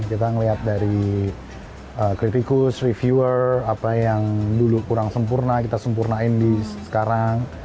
kita melihat dari kritikus reviewer apa yang dulu kurang sempurna kita sempurnain di sekarang